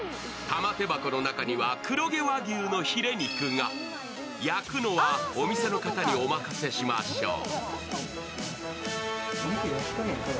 玉手箱の中には黒毛和牛のヒレ肉が。焼くのはお店の方にお任せしましょう。